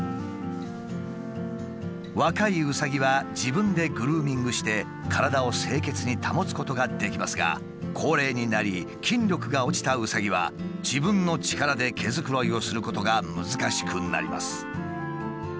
若いうさぎは自分でグルーミングして体を清潔に保つことができますが高齢になり筋力が落ちたうさぎは自分の力で毛づくろいをすることが難しくなります。